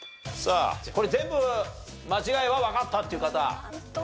さあこれ全部間違いはわかったっていう方。